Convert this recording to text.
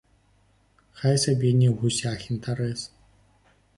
Хай сабе не ў гусях інтарэс.